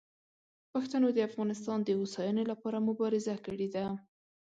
پښتنو د افغانستان د هوساینې لپاره مبارزه کړې ده.